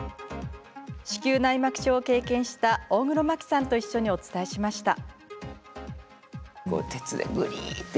子宮内膜症を経験した大黒摩季さんと一緒にお伝えしました。